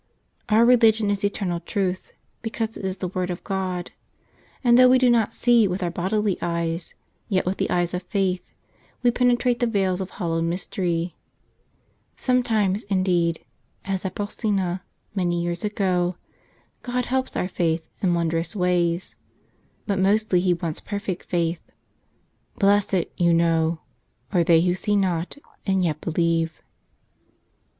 Our religion is eternal truth, because it is the word of God; and though we do not see with our bodily eyes, yet with the eyes of faith we penetrate the veils of hallowed mystery. Sometimes, indeed, as at Bol¬ sena many years ago, God helps our faith in wondrous ways, but mostly He wants perfect faith. "Blessed," you know, "are they who see not and yet believe."